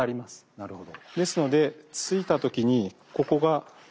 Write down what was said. なるほど。